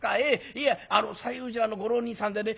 いや西應寺裏のご浪人さんでね